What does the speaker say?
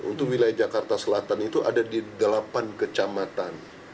untuk wilayah jakarta selatan itu ada di delapan kecamatan